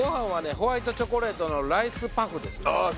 ホワイトチョコレートのライスパフですねああ